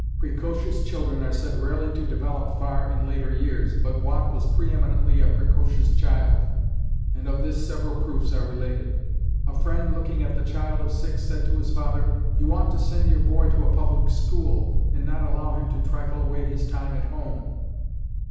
Precocious children are said rarely to develop far in later years, but Watt was pre eminently a precocious child, and of this several proofs are related. A friend looking at the child of six said to his father, "You ought to send your boy to a public school, and not allow him to trifle away his time at home."